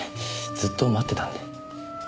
ずっと待ってたんで。